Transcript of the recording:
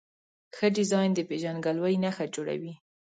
ښه ډیزاین د پېژندګلوۍ نښه جوړوي.